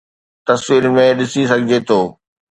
تصويرن ۾ ڏسي سگھجي ٿو